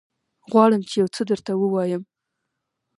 غواړم چې يوڅه درته ووايم.